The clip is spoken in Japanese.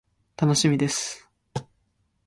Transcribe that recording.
楽しみです。